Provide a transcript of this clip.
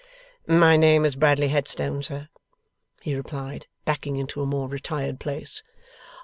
'My name is Bradley Headstone, sir,' he replied, backing into a more retired place.